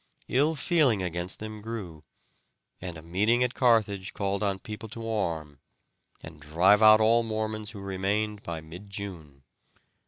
Ill feeling against them grew, and a meeting at Carthage called on people to arm and drive out all Mormons who remained by mid June.